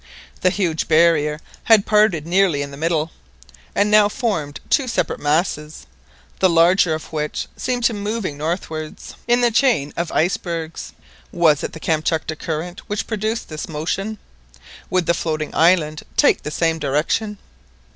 The huge barrier had parted nearly in the middle, and now formed two separate masses, the larger of which seemed to be moving northwards. Was it the Kamtchatka Current which produced this motion? Would the floating island take the same direction?